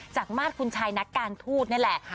มาตรคุณชายนักการทูตนี่แหละ